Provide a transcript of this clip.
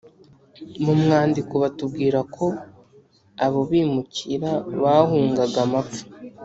mu mwandiko batubwira ko abo bimukira bahungaga amapfa.